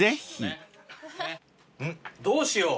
どうしよう。